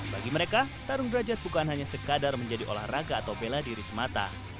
bagi mereka tarung derajat bukan hanya sekadar menjadi olahraga atau bela diri semata